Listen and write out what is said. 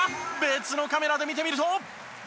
別のカメラで見てみると。